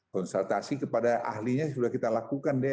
konsultasi kepada ahlinya sudah kita lakukan deh